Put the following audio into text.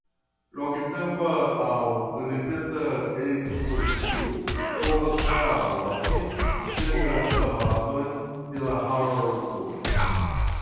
Longtempa aŭ ripeta ekspozicio povas kaŭzi sengrasadon de la haŭto.